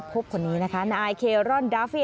คนนี้นะคะนายเครอนดาเฟีย